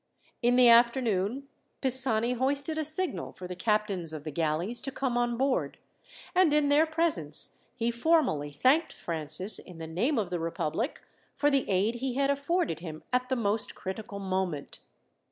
In the afternoon, Pisani hoisted a signal for the captains of the galleys to come on board; and in their presence he formally thanked Francis, in the name of the republic, for the aid he had afforded him at the most critical moment.